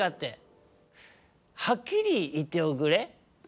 はっきりいっておくれ。